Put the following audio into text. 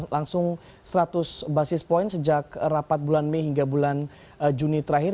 langsung seratus basis point sejak rapat bulan mei hingga bulan juni terakhir